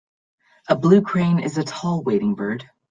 A blue crane is a tall wading bird.